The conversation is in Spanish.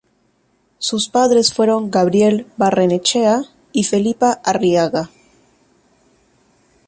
Sus padres fueron Gabriel Barrenechea y Felipa Arriaga.